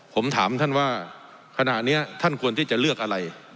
ผมถามท่านว่าขณะนี้ท่านควรที่จะเลือกอะไร